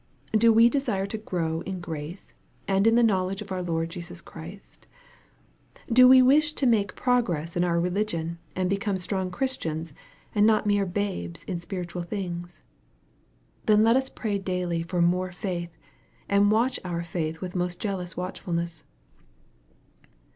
Do we desire to grow in grace, and in the knowledge of our Lord Jesus Christ ? Do we wish to make progress in our religion, and become strong Christians, and not mere babes in spiritual things ? Then let. us pray daily for more faith, and watch our faith with most jealous watchfulness.